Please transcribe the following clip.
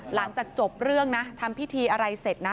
หลังจากจบเรื่องนะทำพิธีอะไรเสร็จนะ